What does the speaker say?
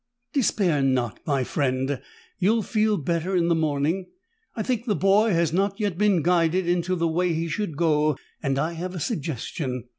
"Despair not, my friend. You'll feel better in the morning. I think the boy has not yet been guided into the way he should go and I have a suggestion.